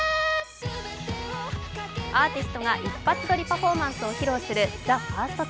アーティストが一発撮りパフォーマンスを披露する「ＴＨＥＦＩＲＳＴＴＡＫＥ」。